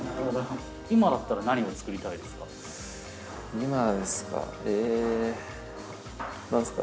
今だったら何を作りたいです